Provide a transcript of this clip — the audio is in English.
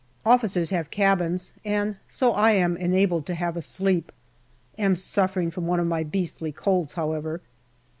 Officers have cabins, and so I am enabled to have a sleep. Am suffering from one of my beastly colds, however.